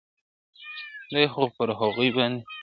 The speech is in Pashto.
دي خو پر هغوی باندي !.